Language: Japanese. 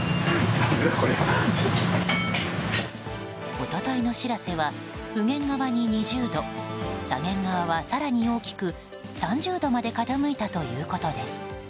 一昨日の「しらせ」は右舷側に２０度左舷側は更に大きく３０度まで傾いたということです。